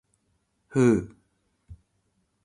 ふう。